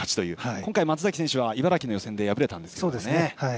今回、松崎選手は茨城の予選で敗れたんですけどね。